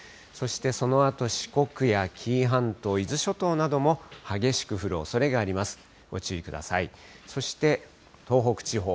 そしてそのあと四国や紀伊半島、伊豆諸島なども激しく降るおそれがあります。